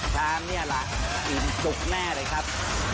ช้านนี้ละอินทุกข์แน่เลยครับ